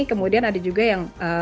kemudian ada juga yang